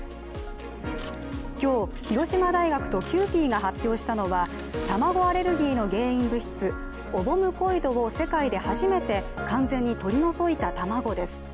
今日、広島大学とキユーピーが発表したのは卵アレルギーの原因物質、オボムコイドを世界で初めて完全に取り除いた卵です。